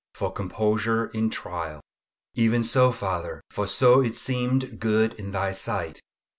FOR COMPOSURE IN TRIAL. "Even so, Father; for so it seemed good in Thy sight."